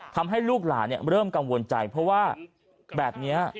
ลูกหลานเริ่มกังวลใจเพราะว่าแบบนี้